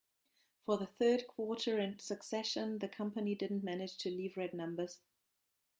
For the third quarter in succession, the company didn't manage to leave red numbers.